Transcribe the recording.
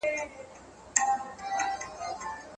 د دلارام تر مځکي لاندي د اوبو سطحه سږ کال ښه سوې ده.